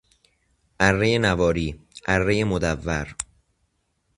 ارهی نواری، ارهی مدور